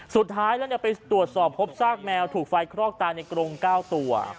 สุดท้ายแล้วไปตรวจสอบพบซากแมวถูกไฟคลอกตายในกรง๙ตัว